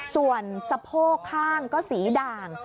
ส่วนสะโพกข้างก็สีด่าง